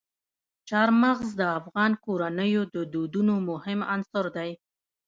چار مغز د افغان کورنیو د دودونو مهم عنصر دی.